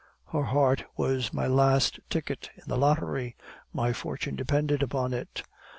Her heart was my last ticket in the lottery, my fortune depended upon it.